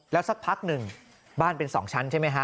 แล้วสักพักหนึ่งบ้านเป็น๒ชั้นใช่ไหมฮะ